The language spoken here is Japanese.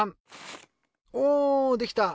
おできた！